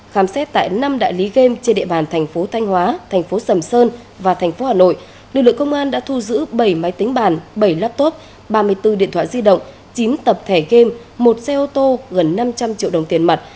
khám xét tại năm đại lý game trên địa bàn tp thanh hóa tp sầm sơn và tp hà nội lực lượng công an đã thu giữ bảy máy tính bàn bảy laptop ba mươi bốn điện thoại di động chín tập thẻ game một xe ô tô gần năm trăm linh triệu đồng tiền mặt